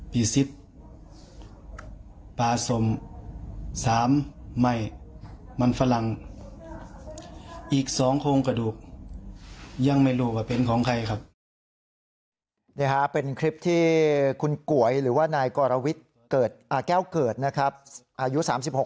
๒พี่ซิปปลาสม